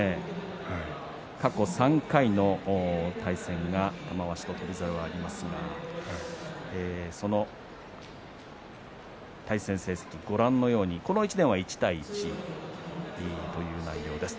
過去３回の対戦が玉鷲と翔猿がありますがその対戦成績、ご覧のようにこの１年は１対１という内容です。